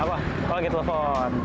oh lagi telepon